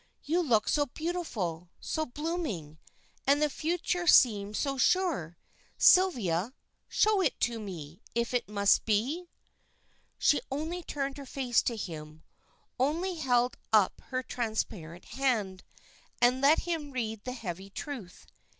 You look so beautiful, so blooming, and the future seemed so sure. Sylvia, show it to me, if it must be." She only turned her face to him, only held up her transparent hand, and let him read the heavy truth.